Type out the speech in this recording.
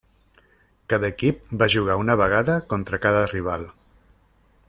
Cada equip va jugar una vegada contra cada rival.